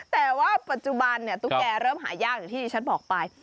แต่ว่าปัจจุบันตุ๊กแกเริ่มหายากอย่างที่ที่ฉันบอกไป